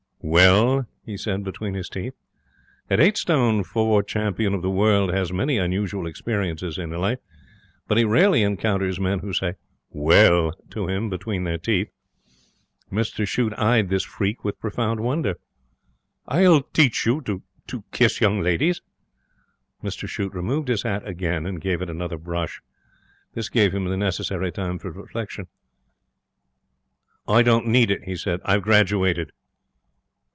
'Well?' he said between his teeth. An eight stone four champion of the world has many unusual experiences in his life, but he rarely encounters men who say 'Well?' to him between their teeth. Mr Shute eyed this freak with profound wonder. 'I'll teach you to to kiss young ladies!' Mr Shute removed his hat again and gave it another brush. This gave him the necessary time for reflection. 'I don't need it,' he said. 'I've graduated.'